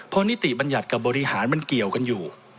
เพราะนิติบัญญัติกับบริหารมันเกี่ยวกันอยู่